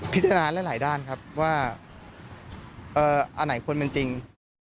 หลายด้านครับว่าอันไหนควรเป็นจริง